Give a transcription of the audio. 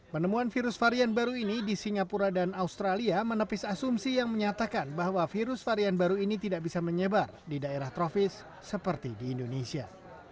penemuan virus varian baru ini di singapura dan australia menepis asumsi yang menyatakan bahwa virus varian baru ini tidak bisa menyebar di daerah trofis seperti di indonesia